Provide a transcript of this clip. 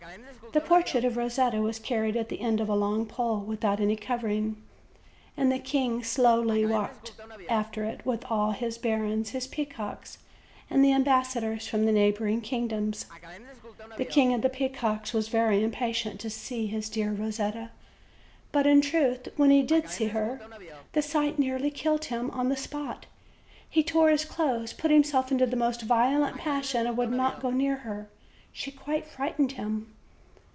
The portrait of Eosetta was carried at the end of a long pole, without any covering; and the king walked slowly after it, with all his barons, his peacocks, and the ambassadors from the neighboring kingdoms. The King of the Peacocks was very impatient to see his dear Eo setta; but in truth, when he did see her, the sight nearly killed him on the spot; he tore his clothes, put himself into the most violent passion, and would not go near her: she quite frightened him.